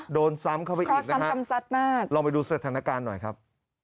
โดนซ้ำเข้าไปอีกซ้ำกรรมซัดมากลองไปดูสถานการณ์หน่อยครับ